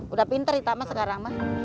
udah pinter ita mah sekarang